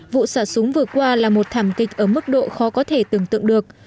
vụ xả súng vừa qua là một thảm kịch ở mức độ khó có thể tưởng tượng được